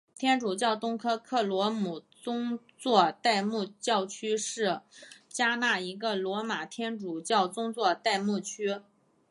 天主教东科克罗姆宗座代牧教区是加纳一个罗马天主教宗座代牧区。